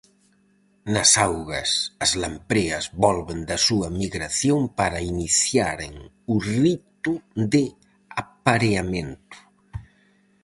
Nas augas as lampreas volven da súa migración para iniciaren o rito de apareamento.